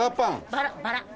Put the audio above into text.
バラバラ。